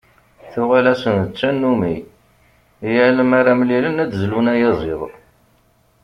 Tuɣal-asen d tannumi: yal mi ara mlilen ad d-zlun ayaziḍ.